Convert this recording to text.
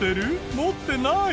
持ってない？